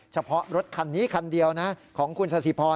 เฉพาะรถคันนี้คันเดียวนะของคุณสถิพร